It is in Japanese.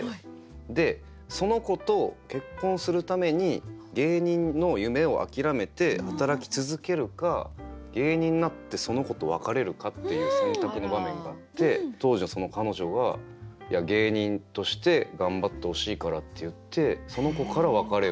でその子と結婚するために芸人の夢を諦めて働き続けるか芸人になってその子と別れるかっていう選択の場面があって当時のその彼女が「芸人として頑張ってほしいから」って言ってその子から別れを。